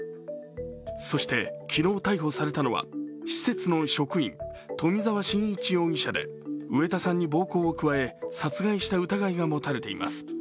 そして昨日逮捕されたのは施設の職員、冨澤伸一容疑者で植田さんに暴行を加え殺害した疑いが持たれています。